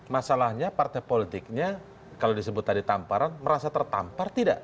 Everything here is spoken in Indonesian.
masalahnya partai politiknya kalau disebut tadi tamparan merasa tertampar tidak